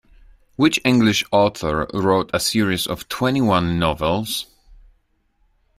Which English author wrote a series of twenty-one novels?